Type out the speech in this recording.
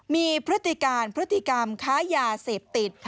มีพฤติการพฤติกรรมค้ายาเสพติด